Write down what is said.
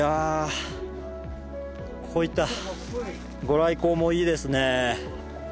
こういった御来光もいいですね。